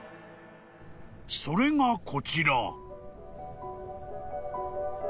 ［それがこちら］